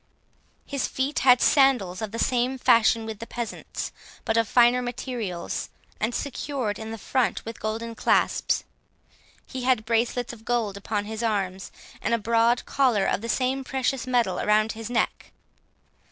His feet had sandals of the same fashion with the peasants, but of finer materials, and secured in the front with golden clasps. He had bracelets of gold upon his arms, and a broad collar of the same precious metal around his neck.